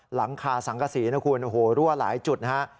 หลังคาสังกษีนะคุณโอ้โหรั่วหลายจุดนะฮะ